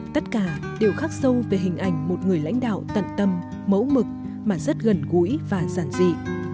tất cả đều khác sâu về hình ảnh một người lãnh đạo tận tâm mẫu mực mà rất gần gũi và giản dị